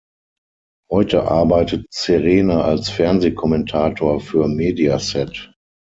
Heute arbeitet Serena als Fernsehkommentator für Mediaset.